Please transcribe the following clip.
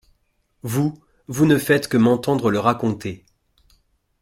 Vous, vous ne faites que m’entendre le raconter.